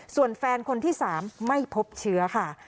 ส่วนแฟนคนที่๓ไม่พบเชื้อค่ะ